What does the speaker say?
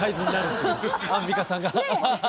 アンミカさんが。ねぇ！